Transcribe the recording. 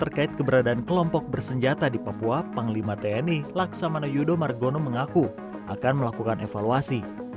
terkait keberadaan kelompok bersenjata di papua panglima tni laksamana yudo margono mengaku akan melakukan evaluasi